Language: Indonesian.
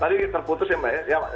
tadi terputus ya mbak